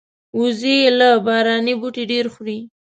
وزې له باراني بوټي ډېر خوري